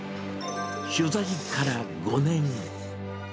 取材から５年。